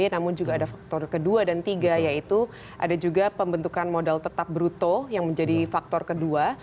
namun juga ada faktor kedua dan tiga yaitu ada juga pembentukan modal tetap bruto yang menjadi faktor kedua